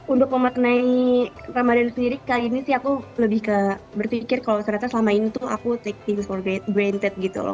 untuk memaknai ramadhan sendiri kali ini sih aku lebih ke berpikir kalau ternyata selama ini tuh aku take this for granted gitu loh